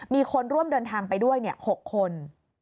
มีคนร่วมเดินทางไปด้วย๖คน